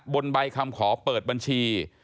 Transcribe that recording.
บนใบคำขอเปิดบัญชี